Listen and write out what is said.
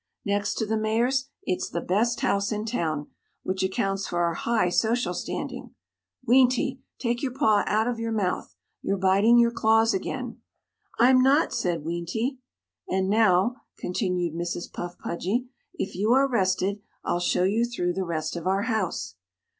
Next to the Mayor's, it's the best house in town, which accounts for our high social standing. Weenty! take your paw out of your mouth. You're biting your claws again." "I'm not!" said Weenty. "And now," continued Mrs. Puff Pudgy, "if you are rested, I'll show you through the rest of our house."